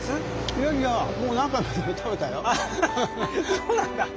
そうなんだ。